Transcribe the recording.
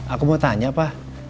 aku mau tanya pa